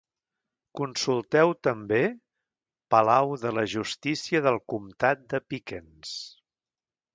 Consulteu també: "Palau de la justícia del comtat de Pickens".